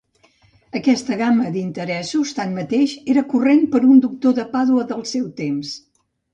Aquesta gamma d'interessos, tanmateix, era corrent per un doctor de Pàdua del seu temps.